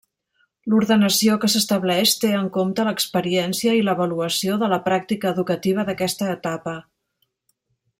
L'ordenació que s'estableix té en compte l'experiència i l'avaluació de la pràctica educativa d'aquesta etapa.